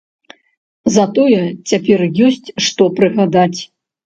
Затое цяпер ёсць, што прыгадаць.